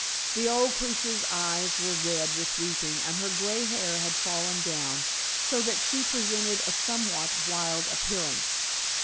The old creature's eyes were red with weeping and her gray hair had fallen down, so that she presented a somewhat wild appearance.